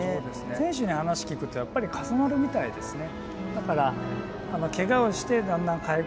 選手に話聞くとやっぱり重なるみたいですね。